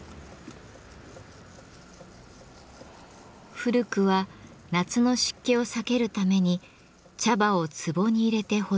古くは夏の湿気を避けるために茶葉を壺に入れて保存。